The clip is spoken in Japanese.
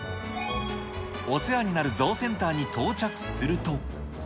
お世話になるゾウセンターに到着すると。